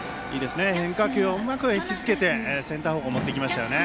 変化球をうまく引きつけてセンター方向に持っていきましたよね。